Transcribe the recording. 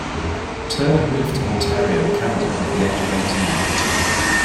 Turner moved to Ontario, Canada at the age of eighteen.